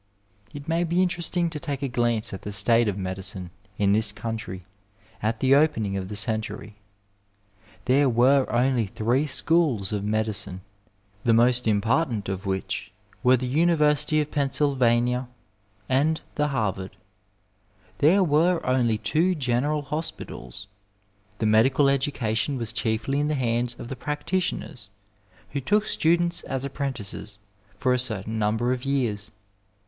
It may be interesting to take a glance at the state of medicine in this country at the opening of the century. There were only three schools of medicine, the most im partant of which were the University of Pennsylvania and the Harvard. There were only two general hospitals. The medical education was chiefly in the hands of the 236 ^ T Digitized by VjOOQIC MEDICINE IN THE NINETEENTH CENTURY practitioziera, who took students as apprentices for a certain number of years.